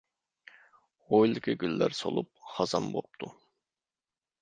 ھويلىدىكى گۈللەر سولۇپ خازان بوپتۇ.